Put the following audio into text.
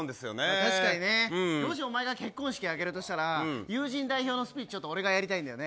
確かにね、もしお前が結婚式を挙げるとしたら友人代表のスピーチ俺がやりたいんだよね。